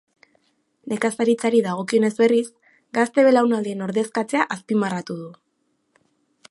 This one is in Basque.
Nekazaritzari dagokionez, berriz, gazte belaunaldien ordezkatzea azpimarratu du.